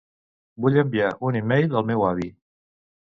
Vull enviar un e-mail al meu avi.